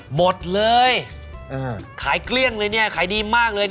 หมดเลยขายเกลี้ยงเลยเนี่ยขายดีมากเลย